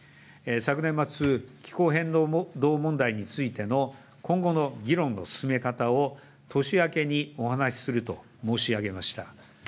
昨年末、気候変動問題についての今後の議論の進め方を、年明けにお話すると申し上げました。